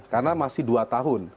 karena masih dua tahun